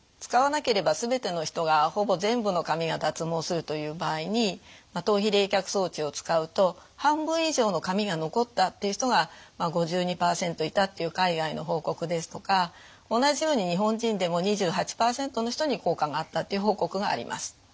使わなければ全ての人がほぼ全部の髪が脱毛するという場合に頭皮冷却装置を使うと半分以上の髪が残ったっていう人が５２％いたっていう海外の報告ですとか同じように日本人でも２８％の人に効果があったっていう報告があります。